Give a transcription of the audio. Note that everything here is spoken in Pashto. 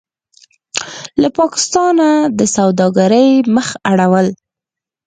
له پاکستانه د سوداګرۍ مخ اړول: